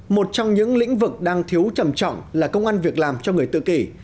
một trong những lĩnh vực đang thiếu trầm trọng là công an việc làm cho người tự kỷ